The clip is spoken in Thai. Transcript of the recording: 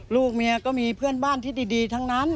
ลูกเมียก็มีเพื่อนบ้านที่ดีทั้งนั้น